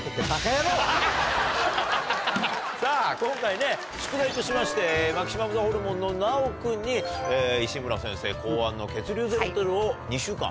さぁ今回ね宿題としましてマキシマムザホルモンのナヲ君に石村先生考案の血流ゼロトレを２週間。